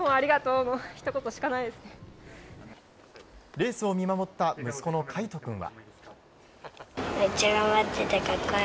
レースを見守った息子の海杜君は。